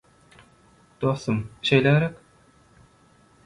Dostum, şeýle gerek?